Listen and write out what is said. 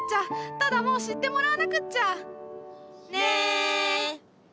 ただもう知ってもらわなくっちゃ。ね！